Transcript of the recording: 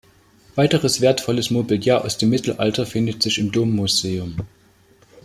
Weiteres wertvolles Mobiliar aus dem Mittelalter findet sich im Dommuseum.